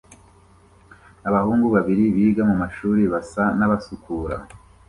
Abahungu babiri biga mumashuri basa nabasukura